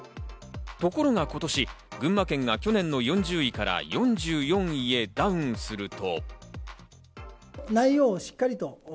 ところが今年、群馬県が去年の４０位から４４位へダウンすると。